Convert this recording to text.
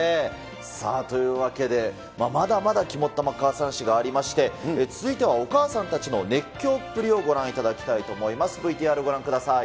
さあ、というわけで、まだまだ肝っ玉母さん史がありまして、続いてはお母さんたちの熱狂っぷりをご覧いただきたいと思います。